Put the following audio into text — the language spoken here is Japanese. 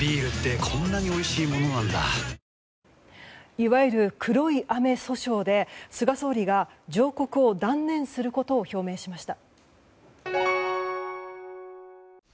いわゆる黒い雨訴訟で菅総理が上告を断念することを表明しました。